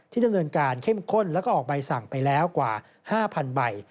ดำเนินการเข้มข้นแล้วก็ออกใบสั่งไปแล้วกว่า๕๐๐๐ใบ